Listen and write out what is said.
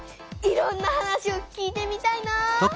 いろんな話を聞いてみたいなぁ。